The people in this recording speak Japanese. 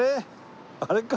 あれか？